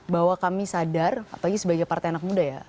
bahwa kami sadar apalagi sebagai partai anak muda ya